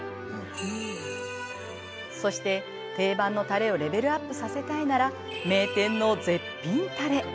そして定番のたれをレベルアップさせたいなら名店の絶品たれ！